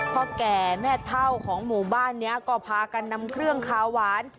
พ่อแก่แม่เท่าของหมู่บ้านนี้ก็พากันนำเครื่องขาวหวาน